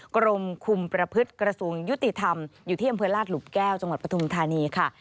กรมคุมประพฤติกระทรวงยุติธรรมอยู่ที่อำเภอลาดหลุมแก้วจังหวัดปฐุมธานีค่ะ